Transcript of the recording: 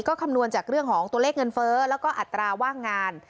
ก็คำนวณจากเรื่องของตัวเลขเงินเฟ้อแล้วก็อัตราว่างงาน